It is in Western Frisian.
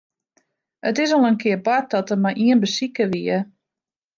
It is al in kear bard dat der mar ien besiker wie.